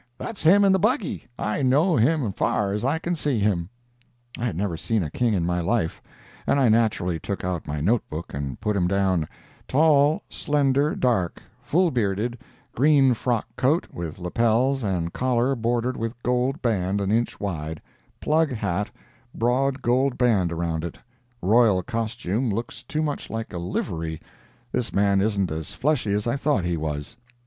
that's him in the buggy! I know him far as I can see him." I had never seen a King in my life, and I naturally took out my note book and put him down: "Tall, slender, dark; full bearded; green frock coat, with lappels and collar bordered with gold band an inch wide—plug hat—broad gold band around it; royal costume looks too much like a livery; this man isn't as fleshy as I thought he was."